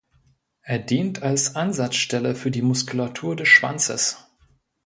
Er dient als Ansatzstelle für die Muskulatur des Schwanzes.